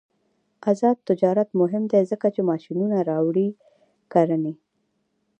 آزاد تجارت مهم دی ځکه چې ماشینونه راوړي کرنې.